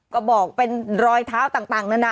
ก็บอกเป็นรอยเท้าต่างนะนะ